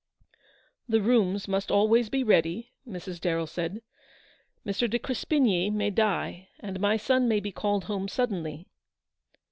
" The rooms must always be ready," Mrs. Darrell said. u Mr. de Crespigny may die and my son may be called home suddenly."